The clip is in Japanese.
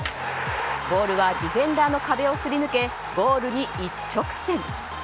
ボールはディフェンダーの壁をすり抜けゴールに一直線。